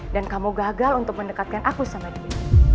dan kamu gagal untuk mendekatkan aku sama dewi